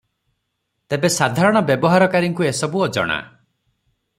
ତେବେ ସାଧାରଣ ବ୍ୟବହାରକାରୀଙ୍କୁ ଏସବୁ ଅଜଣା ।